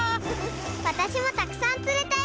わたしもたくさんつれたよ！